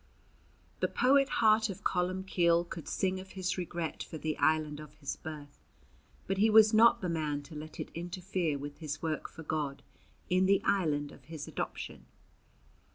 The poet heart of Columbcille could sing of his regret for the island of his birth; but he was not the man to let it interfere with his work for God in the island of his adoption.